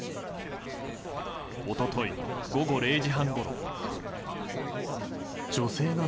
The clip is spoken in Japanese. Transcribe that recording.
一昨日午後０時半ごろ。